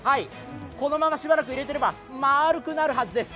このまましばらく入れてれば、丸くなるはずです。